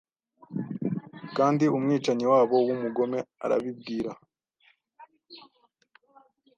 Kandi umwicanyi wabo wumugome arabibwira